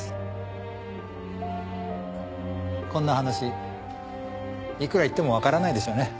こんな話いくら言ってもわからないでしょうね。